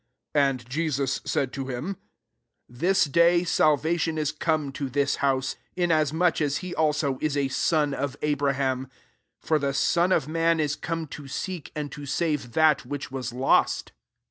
'* 9 And Jesus said to him, This day salvation is come to this house ; inasmuch as he also is a son of Abraham* 10 For the Son of man is come to seek and to save that wMck was lost."